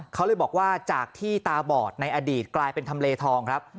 เขาเลยบอกว่าจากที่ตาบอดในอดีตกลายเป็นทำเลทองครับ